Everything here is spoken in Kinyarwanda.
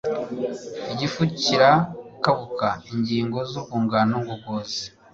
Igifu kirakabuka ingingo zurwungano ngogozi